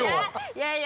いやいや。